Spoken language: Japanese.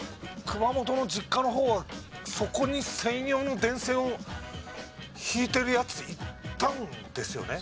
熊本の実家の方はそこに専用の電線を引いてるヤツいたんですよね。